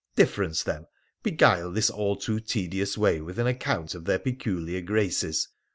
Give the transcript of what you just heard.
Difference them, beguile this all too tedious way with an account of their peculiar graces.